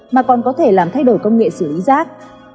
mà còn có thể làm thay đổi công nghệ xử lý rác